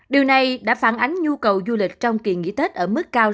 điều này đã phản ánh nhu cầu du lịch trong kỳ nghỉ tết ở mức cao